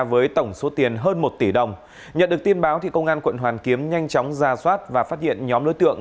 với tổng số tiền hơn một tỷ đồng nhận được tin báo công an quận hoàn kiếm nhanh chóng ra soát và phát hiện nhóm đối tượng